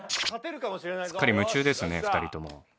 すっかり夢中ですね２人とも。